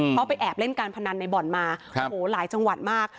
เพราะไปแอบเล่นการพนันในบ่อนมาโอ้โหหลายจังหวัดมาก